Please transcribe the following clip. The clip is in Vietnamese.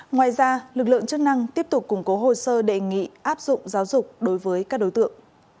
ngoài ra lực lượng chức năng tiếp tục củng cố hồ sơ đề nghị áp dụng giáo dục đối với các đối tượng